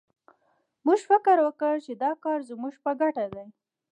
موږ فکر وکړ چې دا کار زموږ په ګټه دی